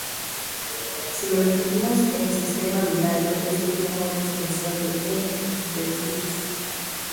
Si lo definimos en sistema binario, este tiene una extensión de N bits.